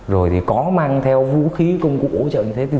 rồi thì có mang theo vũ khí công cụ ổn chậm như thế